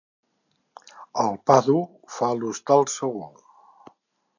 El pa dur fa l'hostal segur.